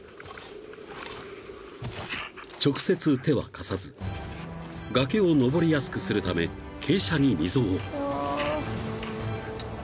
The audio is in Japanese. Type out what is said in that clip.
［直接手は貸さず崖を登りやすくするため傾斜に溝を］